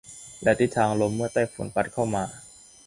และทิศทางลมเมื่อไต้ฝุ่นพัดเข้ามา